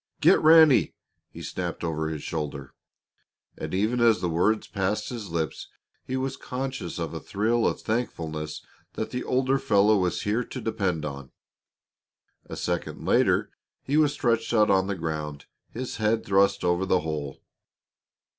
"Get Ranny!" he snapped over his shoulder. And even as the words passed his lips he was conscious of a thrill of thankfulness that the older fellow was here to depend upon. A second later he was stretched out on the ground, his head thrust over the hole.